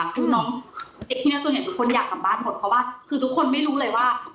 เนี่ยส่วนใหญ่ทุกคนอยากกลับบ้านหมดเพราะว่าคือทุกคนไม่รู้เลยว่า